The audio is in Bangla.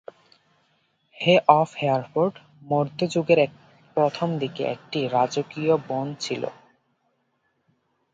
হে অফ হেয়ারফোর্ড মধ্যযুগের প্রথম দিকে একটি রাজকীয় বন ছিল।